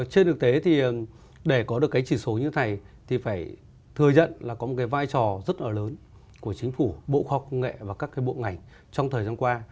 trên thực tế thì để có được cái chỉ số như thế này thì phải thừa nhận là có một cái vai trò rất là lớn của chính phủ bộ khoa học công nghệ và các cái bộ ngành trong thời gian qua